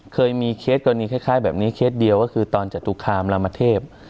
เคยมีเคสกับอันนี้คล้ายคล้ายแบบนี้เคสเดียวก็คือตอนจัดถุคามรามเทพ